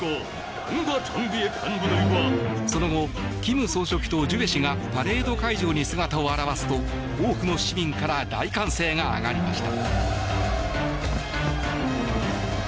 その後、金総書記とジュエ氏がパレード会場に姿を現すと多くの市民から大歓声が上がりました。